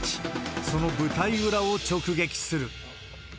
その舞台裏を直撃する。